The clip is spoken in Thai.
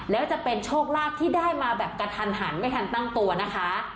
แล้วจะเป็นโชคลาภที่ได้มาแบบกระทันหันไม่ทันตั้งตัวนะคะ